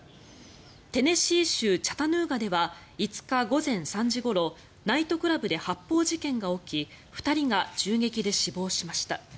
テネシー州チャタヌーガでは５日午前３時ごろナイトクラブで発砲事件が起き２人が銃撃で死亡しました。